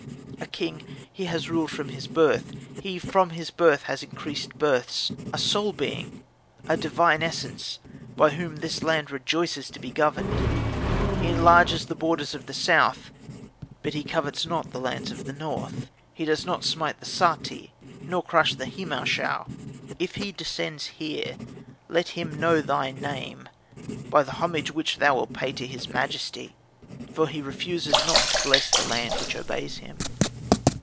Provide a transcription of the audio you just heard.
A king, he has ruled from his birth; he, from his birth, has increased births, a sole being, a divine essence, by whom this land rejoices to be governed. He enlarges the borders of the South, but he covets not the lands of the North; he does not smite the Sati, nor crush the Nemau shau If he descends here, let him know thy name, by the homage which thou wilt pay to his majesty. For he refuses not to bless the land which obeys him."